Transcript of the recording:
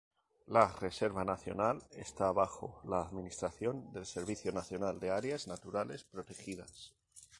La Reserva Nacional está bajo la administración del Servicio Nacional de Áreas Naturales Protegidas.